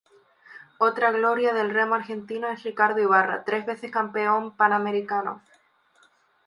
Otra gloria del remo argentino es Ricardo Ibarra, tres veces campeón panamericano.